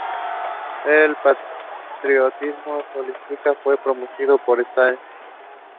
Stearns has written four books.